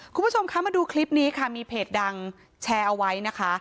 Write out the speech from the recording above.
คุณผู้ชมคะมาดูคลิปนี้ค่ะมีเพจดังแชร์เอาไว้นะคะ